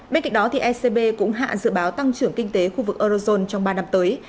bên cạnh đó ecb cũng hạ dự báo tăng trưởng kinh tế khu vực eurozone trong ba năm tới